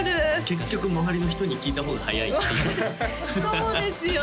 結局周りの人に聞いた方が早いっていうそうですよね